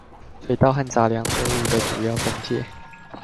水稻和雜糧作物的主要分界